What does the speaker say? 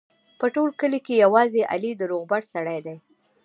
په ټول کلي کې یوازې علي د روغبړ سړی دی.